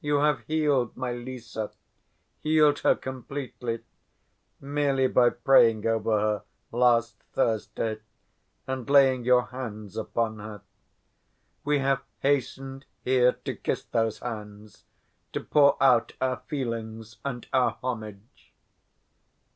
You have healed my Lise, healed her completely, merely by praying over her last Thursday and laying your hands upon her. We have hastened here to kiss those hands, to pour out our feelings and our homage."